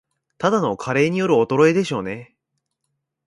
ただの加齢による衰えでしょうね